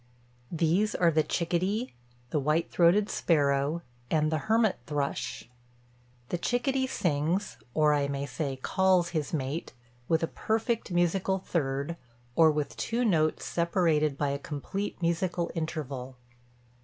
These are the chickadee, the white throated sparrow, and the hermit thrush. The chickadee sings, or I may say, calls his mate, with a perfect musical third, or with two notes separated by a complete musical interval.